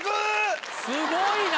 ・すごいな。